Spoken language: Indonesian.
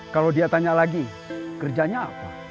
kalau dia tanya lagi kerjanya apa